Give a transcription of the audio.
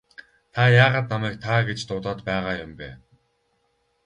Та яагаад намайг та гэж дуудаад байгаа юм бэ?